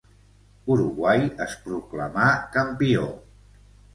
Uruguai es proclamà campió.